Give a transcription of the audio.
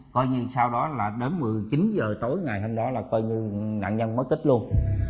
coi như sau đó là đến một mươi chín h tối ngày hôm đó là coi như nạn nhân mất tích luôn